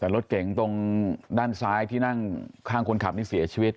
แต่รถเก่งตรงด้านซ้ายที่นั่งข้างคนขับนี่เสียชีวิต